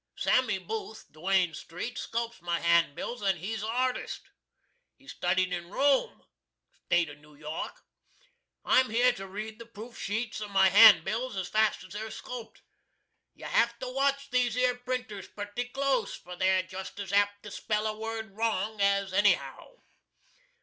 Sammy Booth, Duane street, sculps my hanbills, & he's artist. He studid in Rome State of New York. I'm here to read the proof sheets of my hanbils as fast as they're sculpt. You have to watch these ere printers pretty close, for they're jest as apt to spel a wurd rong as anyhow.